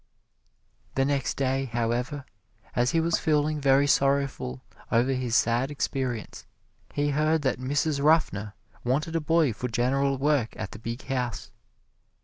The next day, however, as he was feeling very sorrowful over his sad experience, he heard that Mrs. Ruffner wanted a boy for general work at the big house.